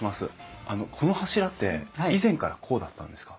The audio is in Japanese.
あのこの柱って以前からこうだったんですか？